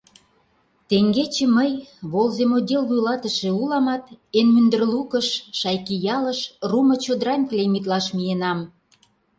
Теҥгече мый, волземотдел вуйлатыше уламат, эн мӱндыр лукыш, Шайки ялыш, руымо чодырам клеймитлаш миенам.